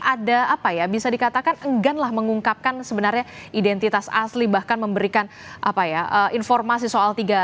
ada apa ya bisa dikatakan enggan lah mengungkapkan sebenarnya identitas asli bahkan memberikan informasi soal tiga